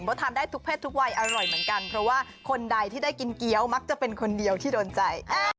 เพราะทานได้ทุกเพศทุกวัยอร่อยเหมือนกันเพราะว่าคนใดที่ได้กินเกี้ยวมักจะเป็นคนเดียวที่โดนใจ